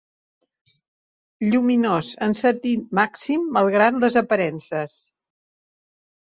Lluminós en sentit màxim, malgrat les aparences.